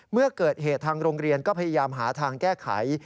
เมื่อเกิดเหตุทางโรงเรียนก็พยายามหาทางแก้ไข